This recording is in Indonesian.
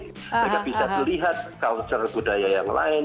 mereka bisa melihat culture budaya yang lain